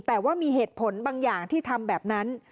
แต่ว่ามีเหตุผลบางอย่างที่ทำแบบนั้น